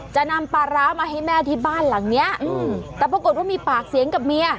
จะนำปลาร้ามาให้แม่ที่บ้านหลังเนี้ยอืมแต่ปรากฏว่ามีปากเสียงกับเมีย